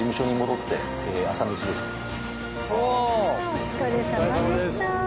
お疲れさまです。